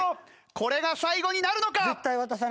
これが最後になるのか！？